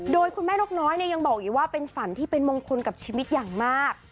โดยคุณแม่นกน้อยเนี่ยยังบอกอีกว่าเป็นฝันที่เป็นมงคลกับชีวิตอย่างมาก